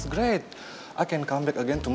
saya bisa kembali besok